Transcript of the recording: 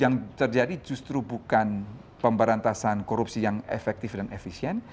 yang terjadi justru bukan pemberantasan korupsi yang efektif dan efisien